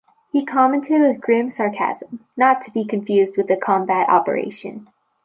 He commented with grim sarcasm, Not to be confused with a combat operation.